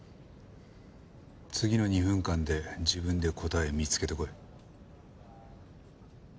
次の２分間で自分で答えを見つけてこい。